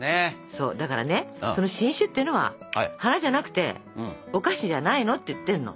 そうだからねその新種っていうのは花じゃなくてお菓子じゃないのって言ってるの。